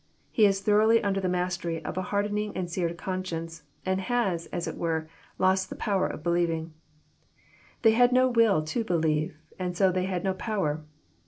He is thoroughly under the mastery of a hardened and seared conscience, and has, as It were, lost the power of believing. — They had no will to believe, and so they had no power.